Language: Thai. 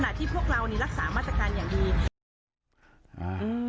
ที่พวกเรานี่รักษามาตรการอย่างดี